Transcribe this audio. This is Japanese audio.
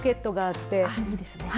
あっいいですね。